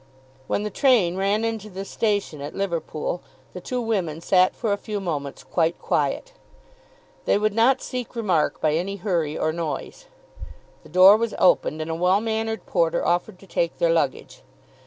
When the train ran into the station at Liverpool the two women sat for a few moments quite quiet. They would not seek remark by any hurry or noise. The door was opened, and a well mannered porter offered to take their luggage.